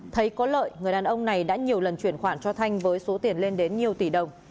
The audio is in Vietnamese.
thấy có lợi người đàn ông này đã nhiều lần chuyển khoản cho thanh với số tiền lên đến nhiều tỷ đồng